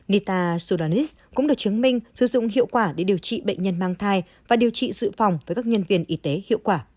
nita soranis cũng được chứng minh sử dụng hiệu quả để điều trị bệnh nhân mang thai và điều trị dự phòng với các nhân viên y tế hiệu quả